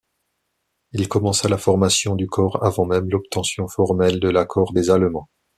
Il commença la formation du corps avant même l’obtention formelle de l’accord des allemands.